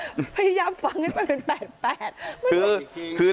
จริงหรอพยายามฟังให้เป็น๘๘